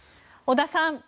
織田さん